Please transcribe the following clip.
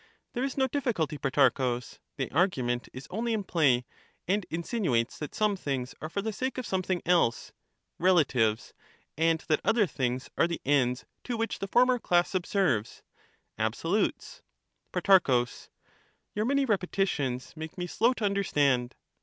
There is no difficulty, Protarchus; the argument is only in play, and insinuates that some things are for the sake of something else (relatives), and that other things are the ends to which the former class subserve (absolutes). Pro. Your many repetitions make me slow to understand.